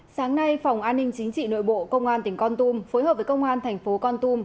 sáng nay phòng an ninh chính trị nội bộ công an tỉnh con tum